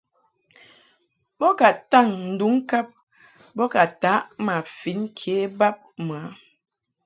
Bo ka taŋ nduŋ ŋkab bo taʼ ma fin ke bab mɨ a.